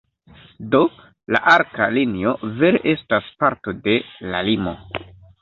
Do la arka linio vere estas parto de la limo.